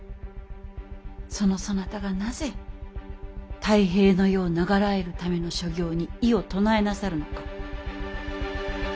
そのそなたがなぜ太平の世を永らえるための所業に異を唱えなさるのか。